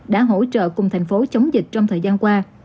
đã hỗ trợ cùng thành phố chống dịch trong thời gian qua